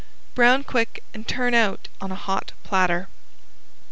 Brown quick and turn out on a hot platter.